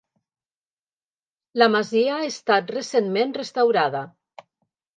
La masia ha estat recentment restaurada.